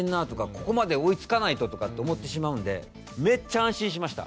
ここまで追いつかないととかって思ってしまうんでめっちゃ安心しました。